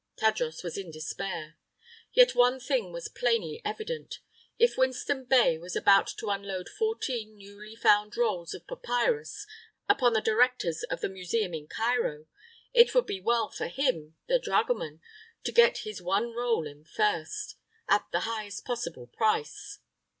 Tadros was in despair. Yet one thing was plainly evident if Winston Bey was about to unload fourteen newly found rolls of papyrus upon the directors of the museum in Cairo, it would be well for him, the dragoman, to get his one roll in first, at the highest possible price.